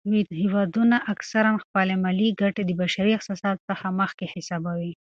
هیوادونه اکثراً خپلې ملي ګټې د بشري احساساتو څخه مخکې حسابوي.